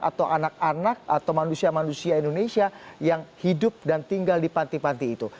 atau anak anak atau manusia manusia indonesia yang hidup dan tinggal di panti panti itu